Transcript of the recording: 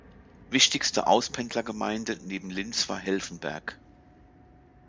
Wichtigste Auspendlergemeinde neben Linz war Helfenberg.